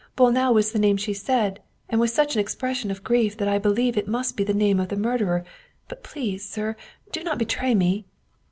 " Bolnau was the name she said, and with such an expression of grief that I believe it must be the name of the murderer. But please, sir, do not betray me